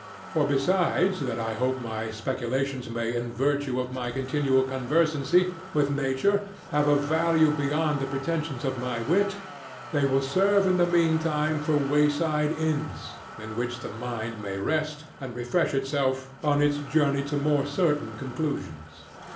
For besides that I hope my speculations may in virtue of my continual conversancy with nature have a value beyond the pretensions of my wit, they will serve in the meantime for wayside inns in which the mind may rest and refresh itself on its journey to more certain conclusions.